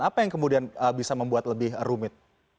apa yang kemudian bisa membuat lebih rumit